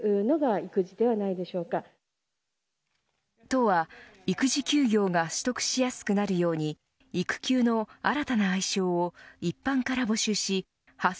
都は育児休業が取得しやすくなるように、育休の新たな愛称を一般から募集し８８２５